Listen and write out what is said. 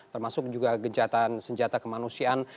termasuk juga gencatan senjata kemanusiaan